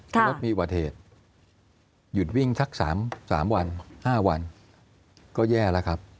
ถ้ารถมีอุบัติเหตุหยุดวิ่งสัก๓วัน๕วันก็แย่แล้วครับ